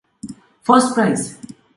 First Prize!